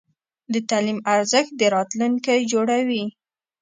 د تعلیم ارزښت د راتلونکي جوړوي.